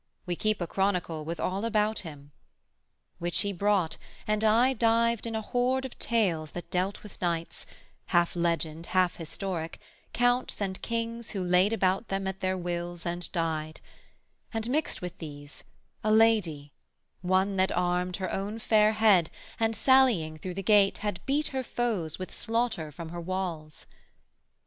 we keep a chronicle With all about him' which he brought, and I Dived in a hoard of tales that dealt with knights, Half legend, half historic, counts and kings Who laid about them at their wills and died; And mixt with these, a lady, one that armed Her own fair head, and sallying through the gate, Had beat her foes with slaughter from her walls.